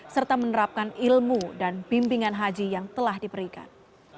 serta menerapkan ilmu dan bimbingan haji yang telah diberikan